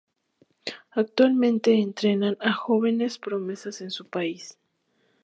Actualmente entrena a jóvenes promesas en su país.